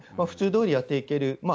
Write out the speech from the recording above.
普通どおりやっていける。